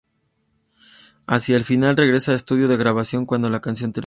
Hacia el final, regresa al estudio de grabación cuando la canción termina.